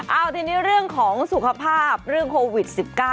เอาทีนี้เรื่องของสุขภาพเรื่องโควิด๑๙